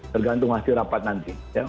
tergantung hasil rapat nanti